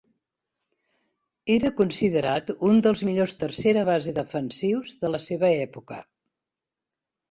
Era considerat un dels millors tercera base defensius de la seva època.